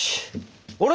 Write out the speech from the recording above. あれ？